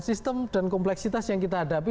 sistem dan kompleksitas yang kita hadapi